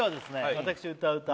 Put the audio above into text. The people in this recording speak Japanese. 私歌う歌